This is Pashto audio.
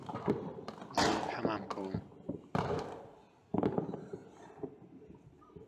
زه حمام کوم